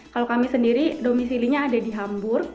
kalau kami sendiri domisilinya ada di hambur